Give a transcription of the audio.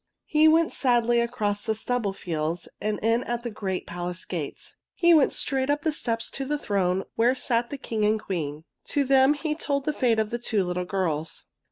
He went sadly across the stubble fields and in at the great palace gates. He went straight up the steps to the throne where sat the king and queen. To them he told the fate of the two little girls.